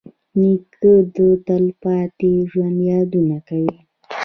نیکه د تلپاتې ژوند یادونه کوي.